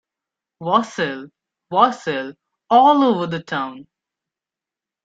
Wassail, wassail all over the town.